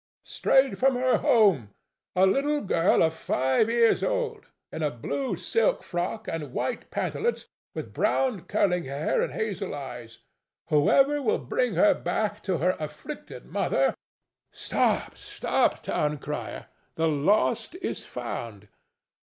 "Strayed from her home, a LITTLE GIRL of five years old, in a blue silk frock and white pantalets, with brown curling hair and hazel eyes. Whoever will bring her back to her afflicted mother—" Stop, stop, town crier! The lost is found.